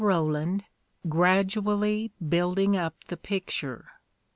Roland, gradu ally building up the picture.